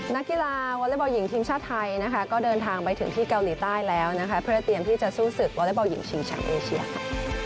นักกีฬาวอเล็กบอลหญิงทีมชาติไทยนะคะก็เดินทางไปถึงที่เกาหลีใต้แล้วนะคะเพื่อเตรียมที่จะสู้ศึกวอเล็กบอลหญิงชิงแชมป์เอเชียค่ะ